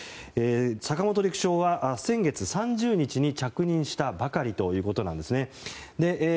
坂本陸将は先月３０日に着任したばかりということです。